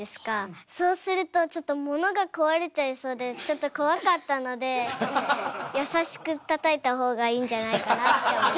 そうするとちょっとものが壊れちゃいそうでちょっと怖かったので優しくたたいた方がいいんじゃないかなって思いました。